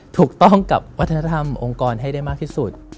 ถูกต้องกับวัฒนธรรมองค์กรให้ได้มากที่สุด